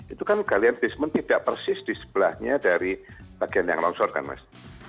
itu kan galian basement tidak persis di sebelahnya dari bagian yang longsor kan mas